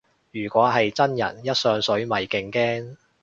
如果係真人一上水咪勁驚